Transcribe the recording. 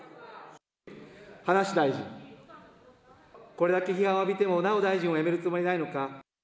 葉梨大臣、これだけ批判を浴びても、なお大臣を辞めるつもりはないのか。